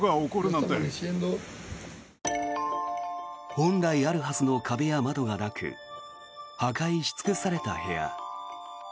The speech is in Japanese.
本来あるはずの壁や窓がなく破壊し尽くされた部屋。